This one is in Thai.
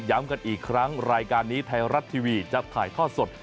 กันอีกครั้งรายการนี้ไทยรัฐทีวีจะถ่ายทอดสด